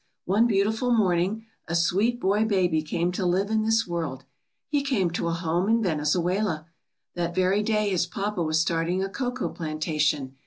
One beautiful morning a sweet boy baby came to live in this world. He came to a home in Venezuela. That very day his papa was starting a cocoa A STORY IN A CUP OF COCOA. 55 plantation.